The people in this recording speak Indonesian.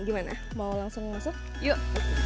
gimana mau langsung masuk yuk